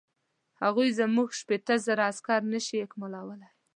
هغوی زموږ شپېته زره عسکر نه شي اکمالولای.